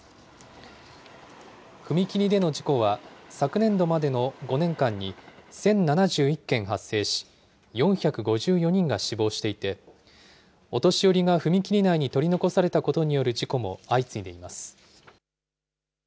踏切での事故は、昨年度までの５年間に、１０７１件発生し、４５４人が死亡していて、お年寄りが踏切内に取り残されたことによる事故も相次いでいます。